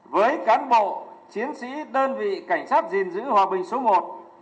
đội chiến sĩ đơn vị cảnh sát gìn giữ hòa bình số một